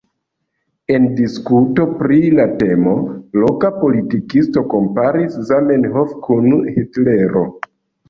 En diskuto pri la temo loka politikisto komparis Zamenhof kun Hitlero.